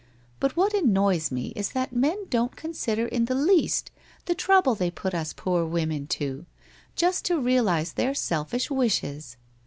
But what annoys me is that men don't consider in the least the trouble they put us poor women to, just to realize their selfish wishes.